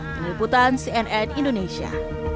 peneliputan cnn indonesia